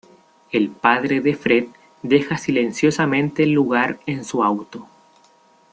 El padre de Fred deja silenciosamente el lugar en su auto.